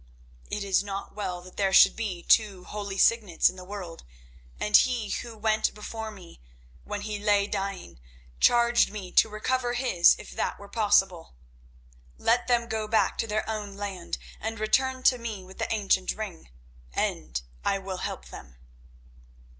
It is not well that there should be two holy Signets in the world, and he who went before me, when he lay dying, charged me to recover his if that were possible. Let them go back to their own land and return to me with the ancient ring, and I will help them."